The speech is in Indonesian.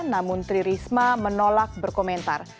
namun tri risma menolak berkomentar